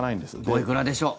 おいくらでしょう。